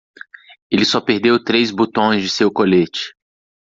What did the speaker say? Ele só perdeu três botões de seu colete.